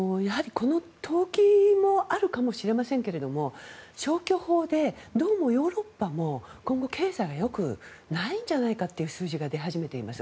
投機もあるかもしれませんが消去法でどうもヨーロッパも今後、経済がよくないんじゃないかという数字が出始めています。